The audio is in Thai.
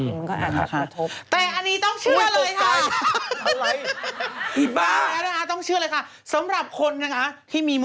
อืมค่ะถูกประทบ